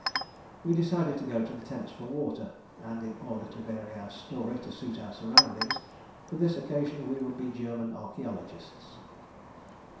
We decided to go to the tents for water, and in order to vary our story to suit our surroundings, for this occasion we would be German archæologists.